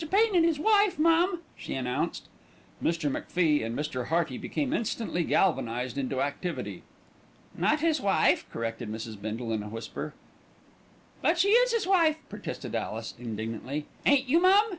Pain and 'is wife, mum," she announced. Mr. MacFie and Mr. Hearty became instantly galvanised into activity. "Not his wife," corrected Mrs. Bindle in a whisper. "But she is 'is wife," protested Alice indignantly. "Ain't you, mum?"